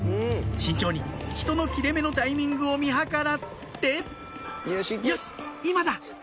慎重に人の切れ目のタイミングを見計らってよし今だ！